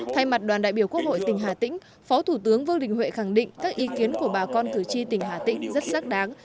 thay mặt đoàn đại biểu quốc hội tỉnh hà tĩnh phó thủ tướng vương đình huệ khẳng định các ý kiến của bà con cử tri tỉnh hà tĩnh rất xác đáng